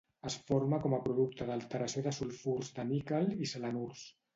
Es forma com a producte d'alteració de sulfurs de níquel i selenurs.